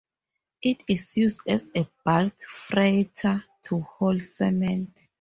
It is used as a bulk freighter to haul cement.